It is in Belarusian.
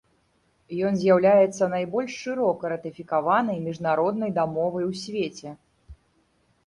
Ён з'яўляецца найбольш шырока ратыфікаванай міжнароднай дамовай у свеце.